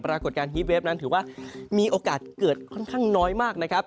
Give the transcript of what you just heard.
ปรากฏการณ์ฮีฟเวฟนั้นถือว่ามีโอกาสเกิดค่อนข้างน้อยมากนะครับ